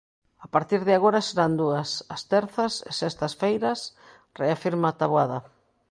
A partir de agora serán dúas, as terzas e sextas feiras, reafirma Taboada.